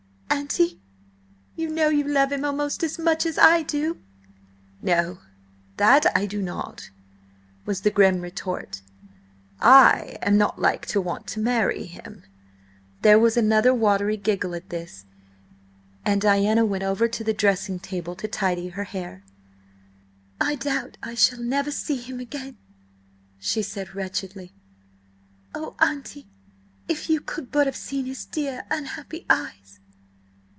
"Auntie, you know you love him almost as much as I do?" "No, that I do not!" was the grim retort. "I am not like to want to marry him!" There was another watery giggle at this, and Diana went over to the dressing table to tidy her hair. "I doubt I shall never see him again," she said wretchedly. "Oh, auntie, if you could but have seen his dear, unhappy eyes!"